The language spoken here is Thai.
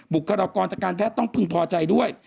กรจากการแพทย์ต้องพึงพอใจด้วย